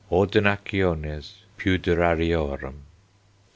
"Ordinaciones pewderariorum.